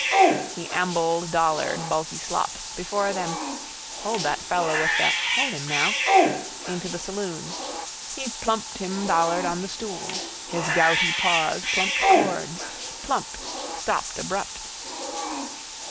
He ambled Dollard, bulky slops, before them (hold that fellow with the: hold him now) into the saloon. He plumped him Dollard on the stool. His gouty paws plumped chords. Plumped, stopped abrupt.